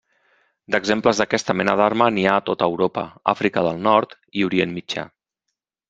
D'exemples d'aquesta mena d'arma n'hi ha a tota Europa, Àfrica del nord, i Orient Mitjà.